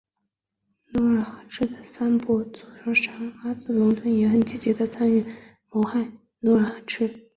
努尔哈赤的三伯祖索长阿之子龙敦也很积极地参与谋害努尔哈赤。